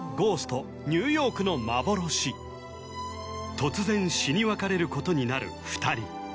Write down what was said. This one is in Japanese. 突然死に別れることになる２人